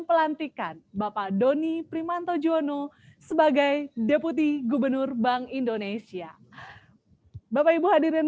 pelantikan bapak doni primanto jono sebagai deputi gubernur bank indonesia bapak ibu hadirin